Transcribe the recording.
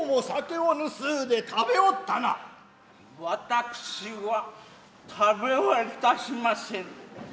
私は食べは致しませぬ。